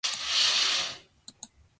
大分県日田市